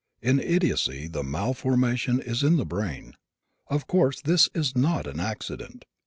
In idiocy the malformation is in the brain. Of course this is not an accident.